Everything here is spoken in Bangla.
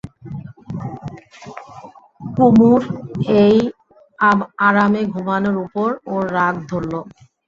কুমুর এই আরামে ঘুমোনোর উপর ওর রাগ ধরল।